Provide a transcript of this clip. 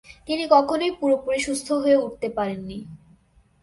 তিনি কখনোই পুরোপুরি সুস্থ হয়ে উঠতে পারেননি।